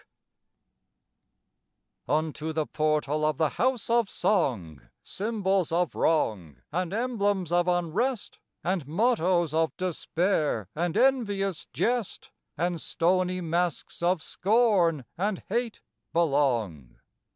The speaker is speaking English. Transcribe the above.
SONG Unto the portal of the House of Song, Symbols of wrong and emblems of unrest, And mottoes of despair and envious jest, And stony masks of scorn and hate belong.